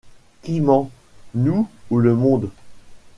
Qui ment? nous ou le monde.